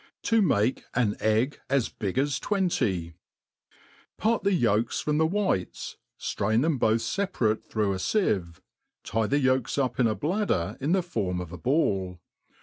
To mah an Egg as hig as twaity: PART the yolks from the whites, ftrain them both feparate through. a fieve, tie the yOlks up in a bladder in the form of a ball.